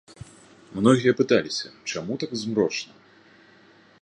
Многія пыталіся, чаму так змрочна.